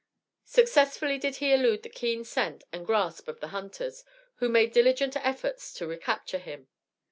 Successfully did he elude the keen scent and grasp of the hunters, who made diligent efforts to recapture him.